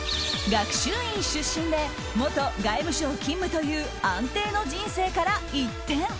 学習院出身で元外務省勤務という安定の人生から一転。